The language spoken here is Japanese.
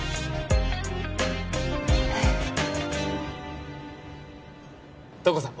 ええ東郷さん